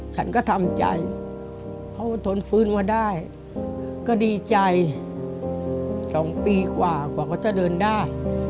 ฉันก็ทำใจเขาก็ทนฟื้นมาได้ก็ดีใจ๒ปีกว่ากว่าเขาจะเดินได้